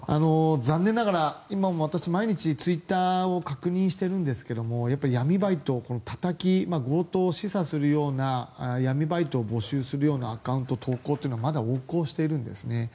残念ながら今も私、毎日ツイッターを確認してるんですが闇バイト、たたき強盗を示唆するような闇バイトを募集するようなアカウント、投稿っていうのはまだ横行しているんですね。